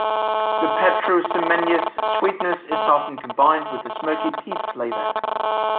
The Pedro Ximenez sweetness is often combined with a smoky peat flavor.